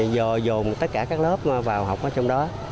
vô dồn tất cả các lớp vào học trong đó